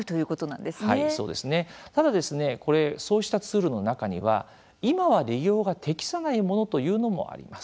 ただですね、そうしたツールの中には今は利用が適さないものというのもあります。